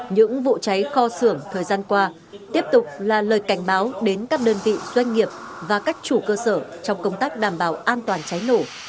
những vụ cháy kho xưởng thời gian qua tiếp tục là lời cảnh báo đến các đơn vị doanh nghiệp và các chủ cơ sở trong công tác đảm bảo an toàn cháy nổ